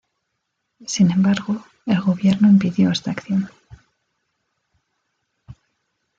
Sin embargo, el gobierno impidió esta acción.